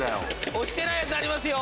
押してないやつありますよ。